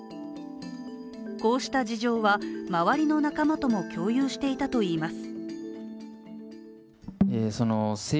こうした事情は周りの仲間とも共有していたといいます。